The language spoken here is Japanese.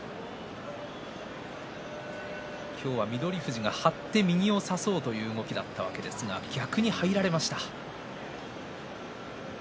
今日は翠富士が張って右を差そうという動きだったわけですが逆に入られました。